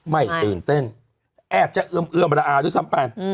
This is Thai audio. ไม่ตื่นเต้นแอบจะเอิอมมาละเอาหรือที่สำแปด